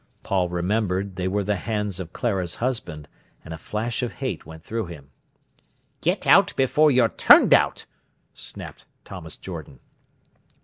Paul remembered they were the hands of Clara's husband, and a flash of hate went through him. "Get out before you're turned out!" snapped Thomas Jordan.